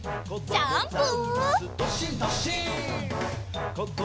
ジャンプ！